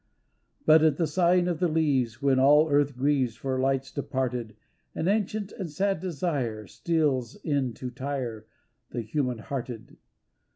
But at the sighing of the leaves, When all earth grieves for lights departed An ancient and a sad desire Steals in to tire the human hearted.